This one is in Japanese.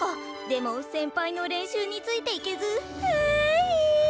でも先輩の練習についていけずはひぃ。